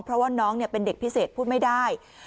เพราะว่าน้องเป็นเด็กพิเศษพูดไม่ได้